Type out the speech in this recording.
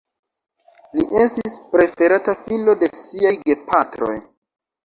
Li estis la preferata filo de siaj gepatroj.